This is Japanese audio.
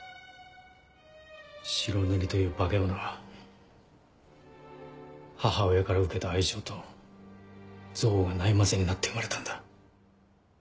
白塗りという化け物は母親から受けた愛情と憎悪がない交ぜになって生まれたんだ。